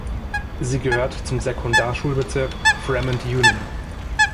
Sie gehört zum Sekundarschulbezirk Fremont Union.